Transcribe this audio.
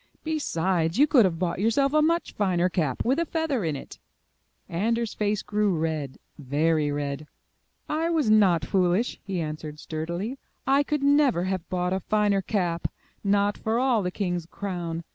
Besides, you could have bought yourself a much finer cap with a feather in it." Anders' face grew red, very red. '1 was not foolish," he answered sturdily, *'I could never have bought a finer cap, not for all the king's crown.